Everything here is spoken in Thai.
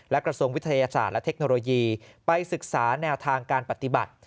และกระทรวงวิทยาศาสตร์และเทคโนโลยีไปศึกษาแนวทางการปฏิบัติ